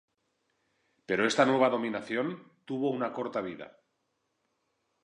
Pero esta nueva dominación tuvo una corta vida.